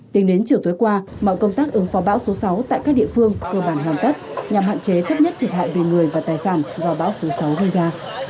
tính đến chiều tối qua mọi công tác ứng phó bão số sáu tại các địa phương cơ bản hoàn tất nhằm hạn chế thấp nhất thiệt hại về người và tài sản do bão số sáu gây ra